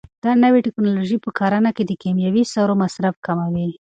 دا نوې ټیکنالوژي په کرنه کې د کیمیاوي سرو مصرف کموي.